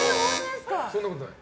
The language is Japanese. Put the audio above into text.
そんなことない？